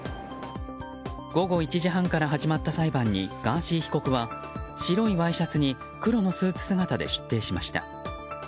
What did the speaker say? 午後１時半から始まった裁判にガーシー被告は白いワイシャツに黒のスーツ姿で出廷しました。